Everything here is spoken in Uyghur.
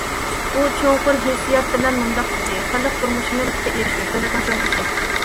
ئۇ چوڭقۇر ھېسسىيات بىلەن مۇنداق دېدى: خەلق تۇرمۇشىنى بەختكە ئېرىشتۈرۈش« دۆلەتنىڭ چوڭ ئىشى».